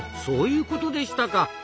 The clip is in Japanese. そういうことでしたか。